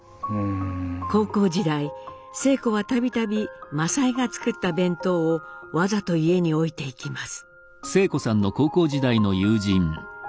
高校時代晴子は度々政枝が作った弁当をわざと家に置いていきます。